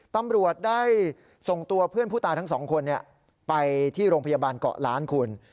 ตำรวจได้ส่งตัวเพื่อนผู้ตายทั้งสองคนไปที่โรงพยาบาลเกาะล้านคุณ